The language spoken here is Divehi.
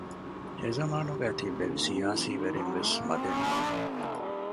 އެޒަމާނުގައި ތިއްބެވި ސިޔާސީ ވެރިންވެސް މަދެއް ނޫން